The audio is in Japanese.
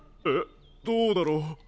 えっどうだろう？